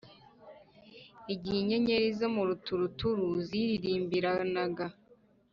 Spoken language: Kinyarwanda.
igihe inyenyeri zo mu ruturuturu zaririmbiranaga,